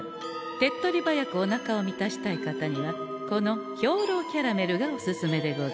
手っ取り早くおなかを満たしたい方にはこの兵糧キャラメルがおすすめでござんす。